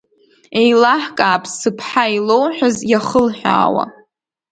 Еилаҳкаап сыԥҳа илоуҳәаз иахылҳәаауа.